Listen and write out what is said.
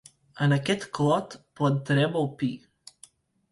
En aquest clot plantarem el pi.